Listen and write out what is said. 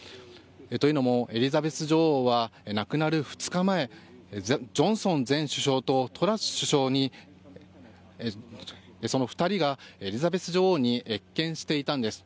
というのもエリザベス女王は亡くなる２日前ジョンソン前首相とトラス首相の２人がエリザベス女王に謁見していたんです。